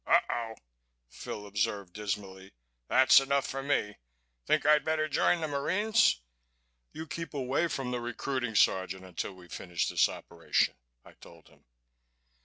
"Oh oh!" Phil observed dismally. "That's enough for me. Think I'd better join the Marines?" "You keep away from the recruiting sergeant until we finish this operation," I told him.